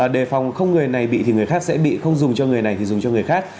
đề phòng không người này bị thì người khác sẽ bị không dùng cho người này thì dùng cho người khác